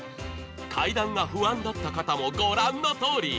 階段が不安だった方も、ご覧のとおり。